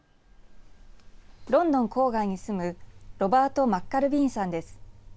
ロンドン郊外に住むロバート・マッカルビーンさんです。